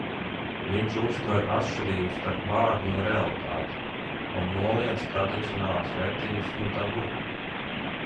Viņš uzsver atšķirību starp vārdu un realitāti un noliedz tradicionālās vērtības un tabu.